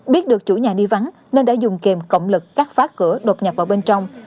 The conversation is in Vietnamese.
biết được chủ nhà đi vắng nên đã dùng kềm cộng lực cắt phá cửa đột nhập vào bên trong